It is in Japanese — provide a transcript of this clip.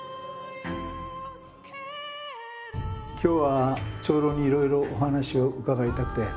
今日は長老にいろいろお話を伺いたくて。